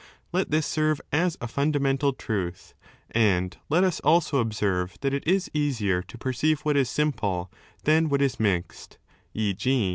Let 2 this serve as a fundamental truth and let us also observe that it is easier to perceive what is simple than what is mixed, e,g.